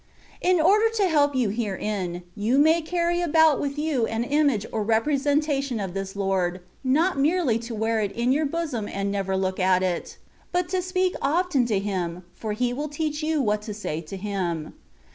In order to help you herein, you may carry about with you an image or representation of this Lord, not merely to wear it in your bosom and never look at it ; but to speak often to Him, for He will teach you what to say to Him.